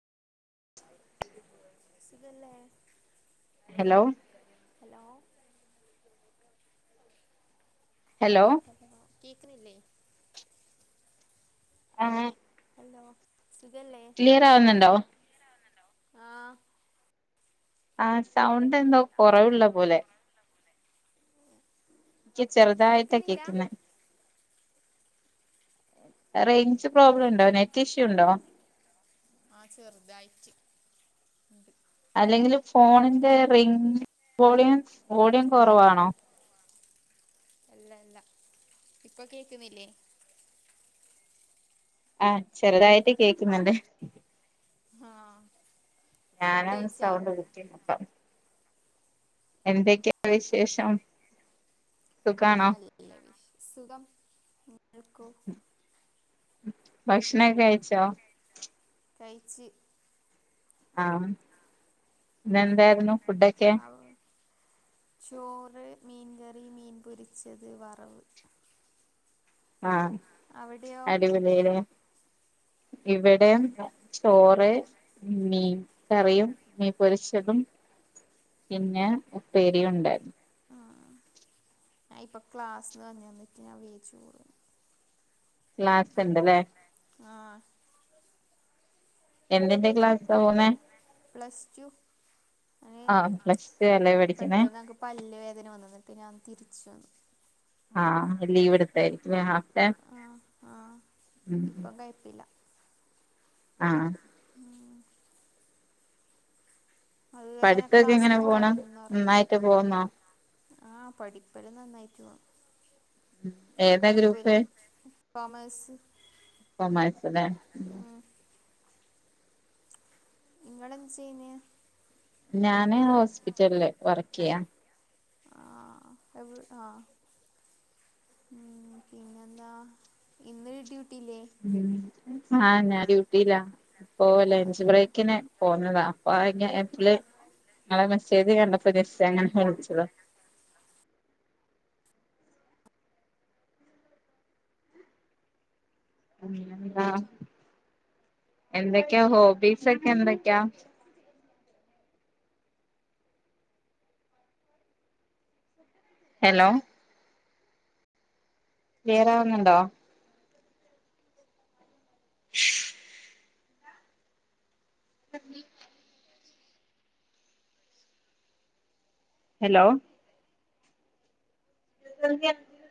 സുഖല്ലേ hello hello.. hello.. hello കേക്ക്‌ ണില്ലേ മം ഹലോ സുഖല്ലേ ആവുന്നുണ്ടോ ക്ലിയറാകുന്നുണ്ടോ ആഹ് ആഹ് സൗണ്ട് ന്തോ കൊറവുള്ള പോലെ [unintelligible] ഇക്ക് കേക്ക്ന്നില്ല ചെറുതായിട്ടകേക്കുന്നെ റേയ്ഞ്ച് പ്രോബ്ലണ്ടോ നെറ്റ് ഇഷ്യൂ ണ്ടോ ആഹ് ചെറുതായിറ്റ് ഉണ്ട് അല്ലെങ്കില് ഫോണിന്റെ റിംഗ് വോളിയം വോളിയം കുറവാണോ? ഇല്ല ല്ല ഇപ്പൊ കേക്കുന്നില്ലേ ആഹ് ചെറുതായിട്ട് കേക്കുന്നുണ്ട് ആഹ്.. ഫുഡ് ഞാനാണ് കഴിച്ചാ സൗണ്ട് ബുക്കിങ് പ്പോ എന്തൊക്കെണ്ട് വിശേഷം സുഖാണോ നല്ല വിശേ സുഖം നിങ്ങൾക്കോ ഭക്ഷണൊക്കെ കഴിച്ചോ? കഴിച്ചോ കഴിച്ച് ആം ഇന്നെന്തായിരുന്നു ഫുഡൊക്കെ ആഹ് ചോറ് മീൻകറി മീൻ പൊരിച്ചത് വറവ് ആഹ് അവിടെയോ അടിപൊളിയായിലെ ഇവിടെയും ചോറ് മീൻ കറിയും മീൻ പൊരിച്ചതും പിന്നെ. ഉപ്പേരി ഉണ്ടായിരുന്നു ഞാ ഇപ്പ ക്ലാസ്സ് ന്ന് വന്ന് വന്നിറ്റ് ഞാൻ വെയിച്ചോർ ക്ലാസ്ണ്ട്ലെ ങ്ങാഹ് എന്തിന്റെ ക്ലാസ്ക്കാ പോന്നെ പ്ലസ്ടു അ നെ ആഹ് പ്ലസ് ടു അല്ലേ പഠിക്കുന്നേ പെട്ടെന്നൻക്ക് പല്ല് വേദന വന്ന് ന്നിട്ട് ഞാൻ തിരിച്ചു വന്ന് ആഹ് ലീവ് എടുത്തായിരിക്കും ആഹ് ആഹ് ആഹ് ആഹ് ഇപ്പം കൊയ്പ്പില്ല ആഹ് ഊമ് അത് വരെ ഞ പഠിത്തൊക്കെ എങ്ങനെ ക്ലാസ്സിന് പോണ് കെടന്നൊർങ്ങി. നന്നായിട്ട് സുഖായിട്ട് പോവുന്നോ പോകുന്നോ ആഹ് പഠിപ്പല്ലും നന്നായിട്ടോന്നു ഏതാ കൊയപ്പൂല്ല ഗ്രൂപ്പ് കൊമേസ് കൊമേഴ്സ് ല്ലേ [unintelligible] ഉം നിങ്ങളെന്ത് ചെയ്ന്നെ ഞാന് ഹോസ്പിറ്റല് ല് വർക്കെയ്യാ ആഹ്അഹ് അവ് ആ ഉം പിൻ ന്നെന്താ. ഇന്ന് ഡ്യൂട്ടില്ലേ? ഉം ആ ഞാൻ ഡ്യൂട്ടിയിലാ ഓ ഓഹ് ലഞ്ച് അത് ബ്രേക്കിന് പോന്നതാ അപ്പൊ ആ ഗ്യാപ്പില് ങ്ങളെ മെസ്സേജ് കണ്ടപ്പൊ ജസ്റ്റ്‌ അങ്ങനെ ഫോൺ വിളിച്ചതോ ഉം ആഹ് എന്തൊക്കെയാ ഹോബീസൊക്കെ എന്തൊക്കെയാ? Hello ക്ലിയറാവുന്നുണ്ടോ hello [unintelligible]